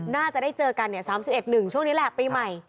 น่าจะได้เจอกัน๓๑๑ช่วงนี้แหละปีใหม่